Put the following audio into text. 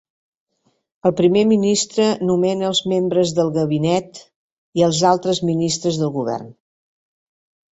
El primer ministre nomena els membres del Gabinet i els altres ministres del govern.